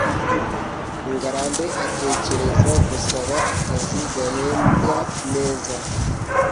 ngarambe atekereza gusaba akazi gahembwa neza